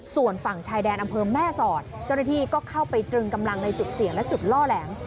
ส่วนฝั่งชายแดนอำเภอแม่สอดเจ้าหน้าที่ก็เข้าไปตรึงกำลังในจุดเสี่ยงและจุดล่อแหลม